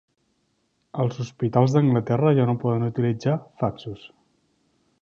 Els hospitals d'Anglaterra ja no poden utilitzar faxos.